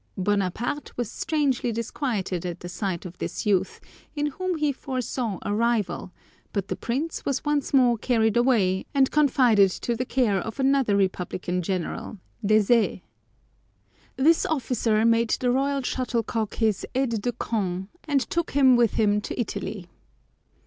Bonaparte was strangely disquieted at the sight of this youth, in whom he foresaw a rival; but the prince was once more carried away, and confided to the care of another republican general, Desaix! This officer made the royal shuttlecock his aide de camp, and took him with him to Italy.